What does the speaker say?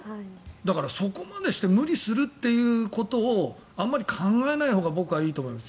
だから、そこまでして無理するということをあまり考えないほうが僕はいいと思います。